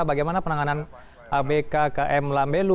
bagaimana penanganan abk km lambelu